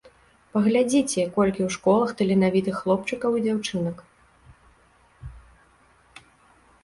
Паглядзіце, колькі ў школах таленавітых хлопчыкаў і дзяўчынак.